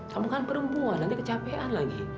kamu kan perempuan nanti kecapean lagi